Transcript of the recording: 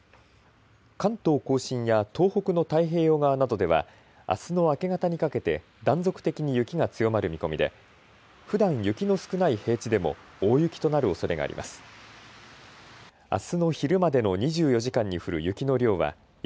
関東甲信や東北の太平洋側などではあすの明け方にかけて断続的に雪が強まる見込みでふだん雪の少ない平地でも大雪となるおそれがあります。